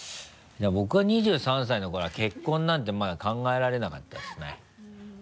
僕が２３歳の頃は結婚なんてまだ考えられなかったですね。